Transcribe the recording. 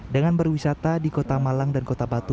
dengan berwisata di kota malang dan kota batu